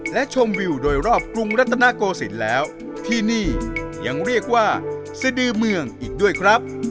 และชมวิวโดยรอบกรุงรัฐนาโกศิลป์แล้วที่นี่ยังเรียกว่าสดือเมืองอีกด้วยครับ